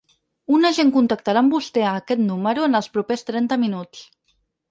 Un agent contactarà amb vostè a aquest número en els propers trenta minuts.